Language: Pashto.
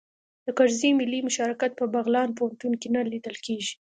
د کرزي ملي مشارکت په بغلان پوهنتون کې نه لیدل کیږي